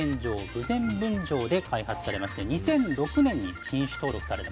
豊前分場で開発されまして２００６年に品種登録された新品種なんです。